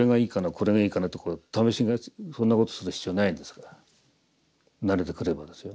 これがいいかなって試しがそんなことする必要ないんですから慣れてくればですよ。